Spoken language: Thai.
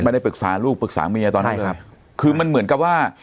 ไม่ได้ปรึกษาลูกปรึกษาเมียตอนนั้นครับคือมันเหมือนกับว่า